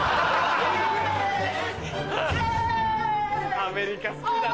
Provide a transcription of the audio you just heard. アメリカ好きだな。